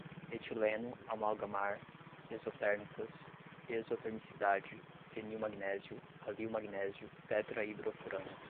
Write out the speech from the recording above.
etileno, amalgamar, exotérmicas, exotermicidade, fenilmagnésio, alilmagnésio, tetrahidrofurano